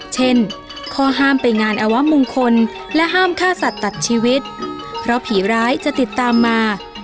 เช่นข้อห้ามไปงานอวะมงคลและห้ามฆ่าสัตว์ตัดชีวิตเพราะผีร้ายจะติดตามมา